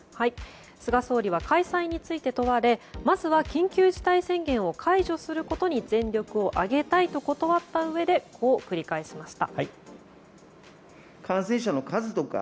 菅総理は開催について問われまずは緊急事態宣言を解除することに全力を挙げたいと断ったうえでこう繰り返しました。